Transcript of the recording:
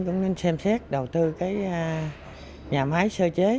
cũng nên xem xét đầu tư cái nhà máy sơ chế